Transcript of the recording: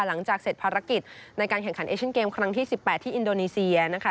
หลังจากเสร็จภารกิจในการแข่งขันเอเชียนเกมครั้งที่๑๘ที่อินโดนีเซียนะคะ